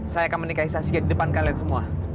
saya akan menikahi saksi di depan kalian semua